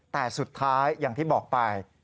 แต่สุดท้ายอย่างที่บอกไป